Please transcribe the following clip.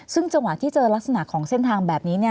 ซึ่งจังหวะที่เจอลักษณะของเส้นทางแบบนี้